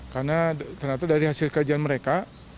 karena ternyata dari hasil kerjaan mereka